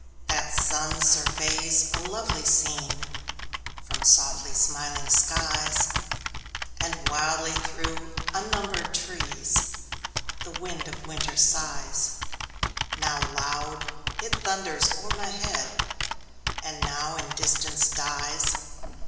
That sun surveys a lovely scene From softly smiling skies; And wildly through unnumbered trees The wind of winter sighs: Now loud, it thunders o'er my head, And now in distance dies.